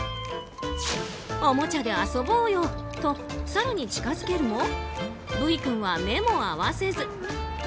おもちゃで遊ぼうよと更に近づけるもＶ君は目も合わせず。